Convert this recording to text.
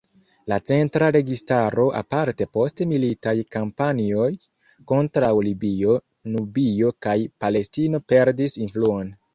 La centra registaro aparte post militaj kampanjoj kontraŭ Libio, Nubio kaj Palestino perdis influon.